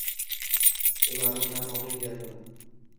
Ularni tan oling deyapman!